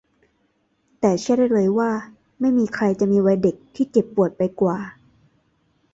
แต่เชื่อได้เลยว่าไม่มีใครจะมีวัยเด็กที่เจ็บปวดไปกว่า